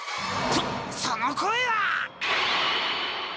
そその声は！？